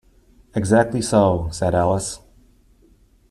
‘Exactly so,’ said Alice.